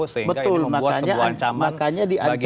sehingga ini membuat sebuah ancaman bagi dimannya